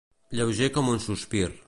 Lleuger com un sospir.